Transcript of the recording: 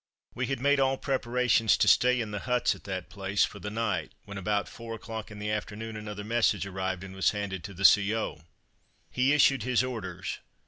We had made all preparations to stay in the huts at that place for the night, when, at about four o'clock in the afternoon, another message arrived and was handed to the C.O. He issued his orders.